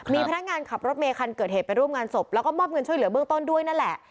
มีพนักงานขับรถเมคันเกิดเหตุไปร่วมงานศพแล้วก็มอบเงินช่วยเหลือเบื้องต้นด้วยนั่นแหละ